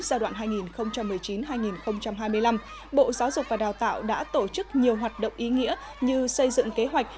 giai đoạn hai nghìn một mươi chín hai nghìn hai mươi năm bộ giáo dục và đào tạo đã tổ chức nhiều hoạt động ý nghĩa như xây dựng kế hoạch